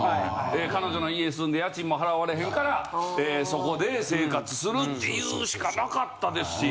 彼女の家住んで家賃も払われへんからそこで生活するっていうしかなかったですし。